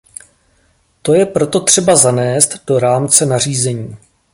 To je proto třeba zanést do rámce nařízení.